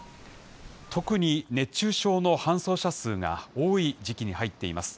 特に熱中症の搬送者数が多い時期に入っています。